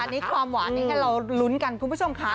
อันนี้ความหวานนี้ให้เราลุ้นกันคุณผู้ชมค่ะ